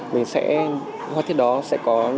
mình sẽ họa tiết đó sẽ có